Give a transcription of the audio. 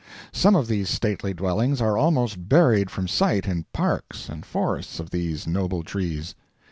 Some of these stately dwellings are almost buried from sight in parks and forests of these noble trees.